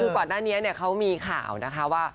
ก่อนหน้านี้เขามีข่าวว่า